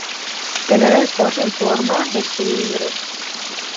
Tenen el cos en forma de cilindre.